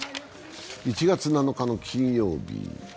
１月７日日の金曜日。